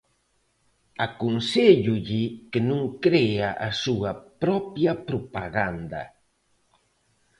Aconséllolle que non crea a súa propia propaganda.